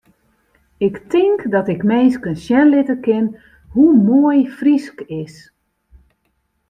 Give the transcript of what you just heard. Ik tink dat ik minsken sjen litte kin hoe moai Frysk is.